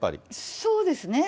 そうですね。